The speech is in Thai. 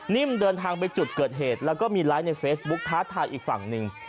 เดินทางไปจุดเกิดเหตุแล้วก็มีไลฟ์ในเฟซบุ๊คท้าทายอีกฝั่งหนึ่ง